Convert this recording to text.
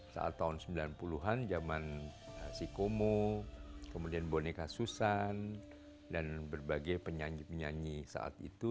saat tahun sembilan puluh an zaman si komo kemudian boneka susan dan berbagai penyanyi penyanyi saat itu